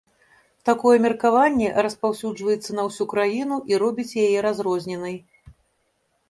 Такое меркаванне распаўсюджваецца на ўсю краіну і робіць яе разрозненай.